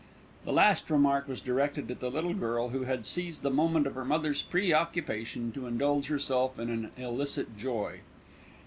The last remark was directed at the little girl, who had seized the moment of her mother's pre occupation to indulge herself in an illicit joy.